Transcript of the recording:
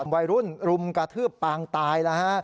วัยรุ่นรุมกระทืบปางตายแล้วฮะ